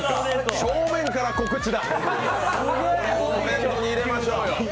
正面から告知だ。